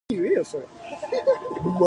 裁判をする